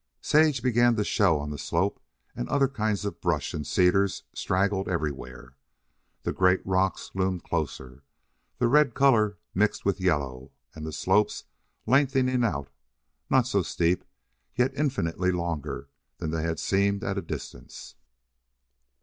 Sage began to show on the slope, and other kinds of brush and cedars straggled everywhere. The great rocks loomed closer, the red color mixed with yellow, and the slopes lengthening out, not so steep, yet infinitely longer than they had seemed at a distance.